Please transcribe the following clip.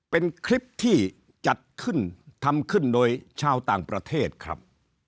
เป็นคลิปที่จัดขึ้นทำขึ้นโดยชาวต่างประเทศครับ